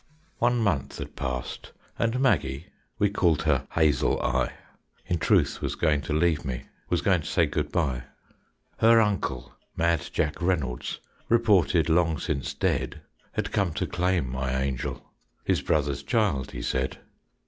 One month had passed and Maggie, We called her Hazel Eye, In truth was going to leave me, Was going to say good bye. Her uncle, Mad Jack Reynolds, Reported long since dead, Had come to claim my angel, His brother's child, he said.